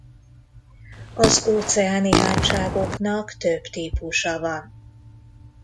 Az óceáni hátságoknak több típusa van.